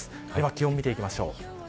気温を見ていきましょう。